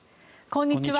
こんにちは。